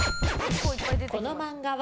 この漫画は？